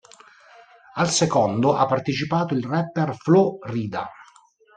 Al secondo ha partecipato il rapper Flo Rida.